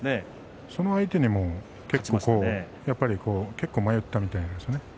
その相手にも結構迷ったみたいですね。